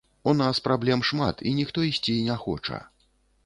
У нас праблем шмат, і ніхто ісці не хоча.